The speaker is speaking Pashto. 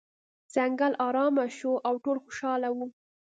ځنګل ارامه شو او ټول خوشحاله وو.